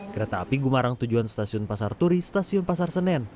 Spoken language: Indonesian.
kereta api gumarang tujuan stasiun pasar turi stasiun pasar senen